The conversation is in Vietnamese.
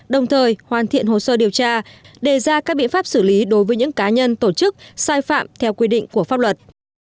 đồng thời hoàn thiện hồ sơ điều tra đề ra các biện pháp xử lý đối với những cá nhân tổ chức sai phạm theo quy định của pháp luật